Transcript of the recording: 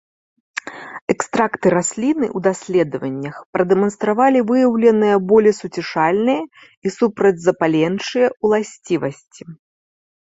Экстракты расліны ў даследаваннях прадэманстравалі выяўленыя болесуцішальныя і супрацьзапаленчыя ўласцівасці.